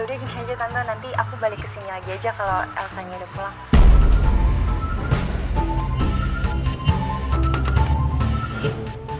udah gini aja tante nanti aku balik ke sini lagi aja kalau elsanya udah pulang